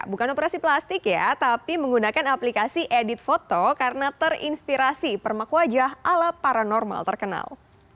bukan operasi plastik ya tapi menggunakan aplikasi edit foto karena terinspirasi permak wajah ala paranormal terkenal